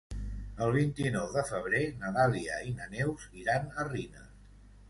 El vint-i-nou de febrer na Dàlia i na Neus iran a Riner.